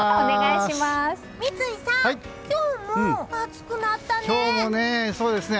三井さん、今日も暑くなったね！